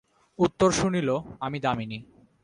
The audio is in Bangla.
উত্তর শুনিল, আমি দামিনী।